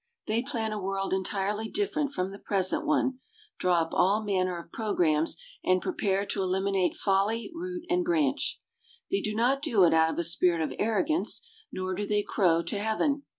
They plan a world entirely different from the present one, draw up aU manner of programmes, and prepare to eliminate foUy root and branch. They do not do it out of a spirit of arrogance, nor do they crow to Heaven.